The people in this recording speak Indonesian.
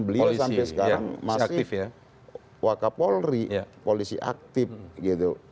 beliau sampai sekarang masih wakapolri polisi aktif gitu